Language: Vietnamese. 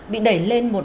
bị đẩy lên một tầm thấp